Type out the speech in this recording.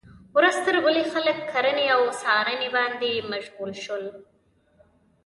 ورځ تر بلې خلک کرنې او څارنې باندې مشغول شول.